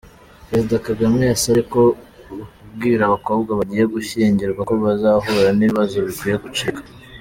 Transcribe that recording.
Perezida Kagame yasabye ko kubwira abakobwa bagiye gushyingirwa ko bazahura n’ibibazo bikwiye gucika